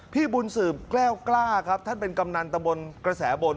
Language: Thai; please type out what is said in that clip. พี่บุญสืบแก้วกล้าครับท่านเป็นกำนันตะบนกระแสบน